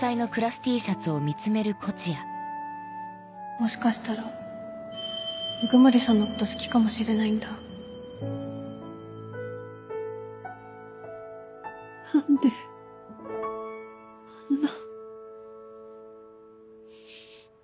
もしかしたら鵜久森さんのこと好きかもしれないんだ何であんな。